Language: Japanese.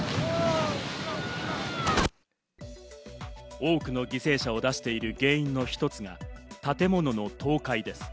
多くの犠牲者を出している原因の一つが、建物の倒壊です。